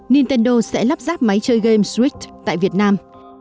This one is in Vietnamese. nintendo sẽ lắp ráp máy chơi game swit tại việt nam